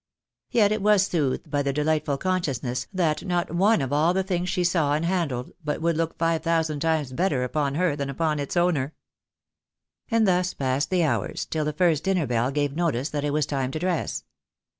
Yet was it soothed by the delightful consciousness, that not one of all the things she saw and handled, but would look five thousand times better upon her than upon its owner ! And thus passed the hours, till the first dinner bell gave notice that it was time to dress.